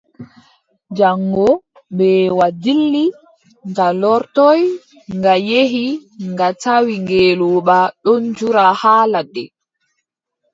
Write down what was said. Jaŋngo mbeewa dilli, nga lortoy, nga yehi nga tawi ngeelooba ɗon dura haa ladde.